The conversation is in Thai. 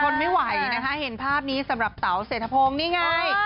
ทนไม่ไหวนะคะเห็นภาพนี้สำหรับเต๋าเศรษฐพงศ์นี่ไง